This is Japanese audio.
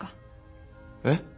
えっ？